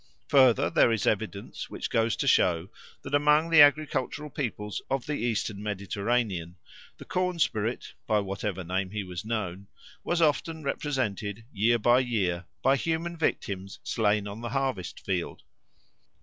Further, there is evidence which goes to show that among the agricultural peoples of the Eastern Mediterranean, the corn spirit, by whatever name he was known, was often represented, year by year, by human victims slain on the harvest field.